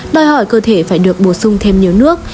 đòi hỏi cơ thể phải được bổ sung thêm nhiều nước